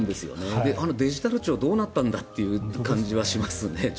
デジタル庁どうなったんだという感じはしますね。